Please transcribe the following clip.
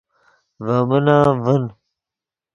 ڤے من ام ڤین